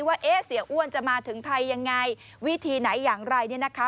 ว่าเอ๊ะเสียอ้วนจะมาถึงไทยยังไงวิธีไหนอย่างไรเนี่ยนะคะ